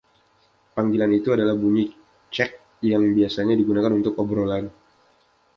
Panggilan itu adalah bunyi "chack" yang biasa digunakan untuk obrolan.